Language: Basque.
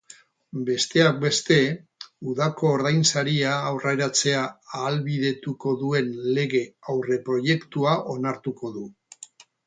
Besteak beste, udako ordainsaria aurreratzea ahalbidetuko duen lege aurreproiektua onartuko du.